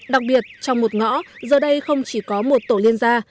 đặc biệt trong một ngõ giờ đây không chỉ có một tổ liên gia